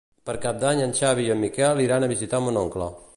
Per Cap d'Any en Xavi i en Miquel iran a visitar mon oncle.